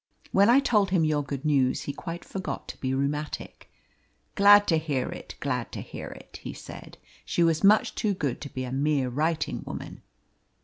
When I told him your good news he quite forgot to be rheumatic. 'Glad to hear it, glad to hear it,' he said. 'She was much too good to be a mere writing woman.'